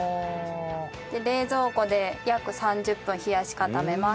で冷蔵庫で約３０分冷やし固めます。